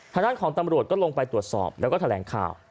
ทางด้านของตำรวจก็ลงไปตรวจสอบแล้วก็แถลงข่าว